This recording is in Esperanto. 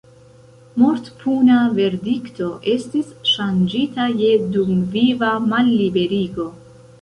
Mortpuna verdikto estis ŝanĝita je dumviva malliberigo.